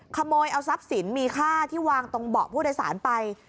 ขโมยเอาทรัพย์สินมีค่าที่วางตรงเบาะผู้โดยสารไป